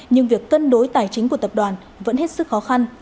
nhưng việc cân đối tài chính của tập đoàn vẫn hết sức khó khăn